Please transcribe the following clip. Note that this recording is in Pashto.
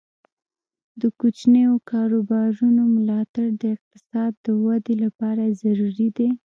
د کوچنیو کاروبارونو ملاتړ د اقتصاد د ودې لپاره ضروري دی.